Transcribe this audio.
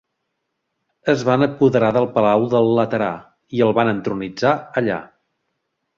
Es van apoderar del palau del Laterà i el van entronitzar allà.